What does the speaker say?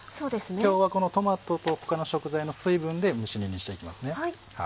今日はこのトマトと他の食材の水分で蒸し煮にしていきますね。